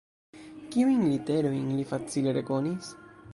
Kiujn literojn li facile rekonis?